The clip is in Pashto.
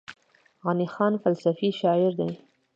غني خان فلسفي شاعر دی.